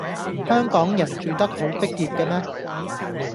香港人住得好逼狹嘅咩